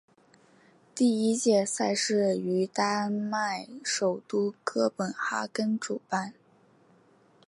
第一届赛事于丹麦首都哥本哈根主办。